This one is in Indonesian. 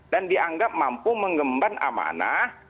dan dianggap mampu mengemban amanah